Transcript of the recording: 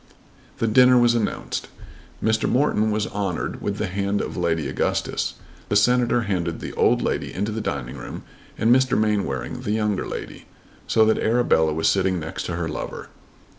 The dinner was announced. Mr. Morton was honoured with the hand of Lady Augustus. The Senator handed the old lady into the dining room and Mr. Mainwaring the younger lady, so that Arabella was sitting next to her lover.